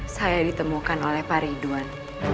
saya ditemukan oleh pak ridwan